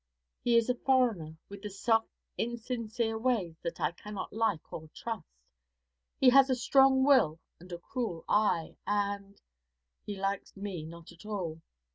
He is a foreigner, with the soft, insincere ways that I cannot like nor trust. He has a strong will and a cruel eye, and he likes me not at all.